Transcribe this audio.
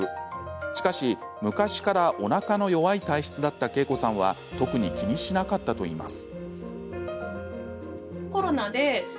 しかし、昔からおなかの弱い体質だったけいこさんは特に気にしなかったといいます。